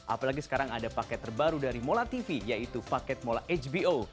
apalagi sekarang ada paket terbaru dari molatv yaitu paket molahbo